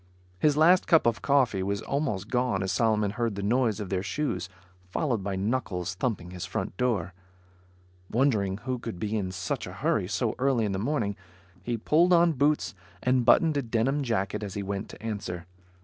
His last cup of coffee was almost gone as Solomon heard the noise of their shoes, followed by knuckles thumping his front door. Wondering who could be in such a hurry, so early in the morning, he pulled on boots and buttoned a denim jacket as he went to answer.